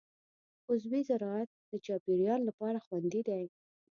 عضوي زراعت د چاپېریال لپاره خوندي دی.